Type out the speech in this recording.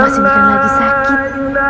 mas indra lagi sakit